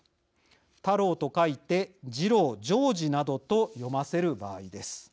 「太郎」と書いて「ジロウ」「ジョージ」などと読ませる場合です。